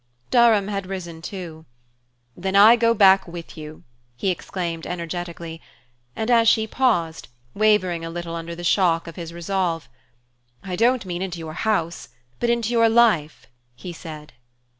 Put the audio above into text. Durham had risen too. "Then I go back with you!" he exclaimed energetically; and as she paused, wavering a little under the shock of his resolve: "I don't mean into your house but into your life!" he said.